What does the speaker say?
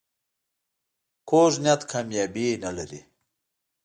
کوږ نیت کامیابي نه لري